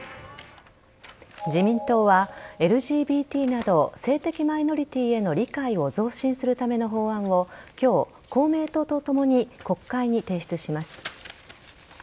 自民党はＬＧＢＴなど性的マイノリティーへの理解を増進するための法案を今日、公明党とともに国会に提出します。